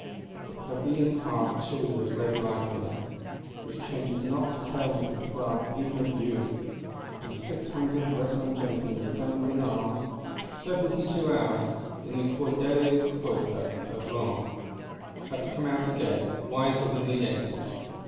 The plebeian heart too has red life in it, which changes not to paleness at glance even of you; and "the six hundred Breton gentlemen assembled in arms, for seventy two hours, in the Cordeliers' Cloister, at Rennes,"—have to come out again, wiser than they entered.